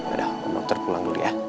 udah om daktar pulang dulu ya